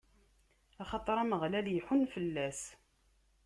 axaṭer Ameɣlal iḥunn fell-as.